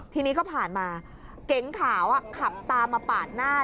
ทีนี้ก็ผ่านมาเก๋งขาวขับตามมาปาดหน้า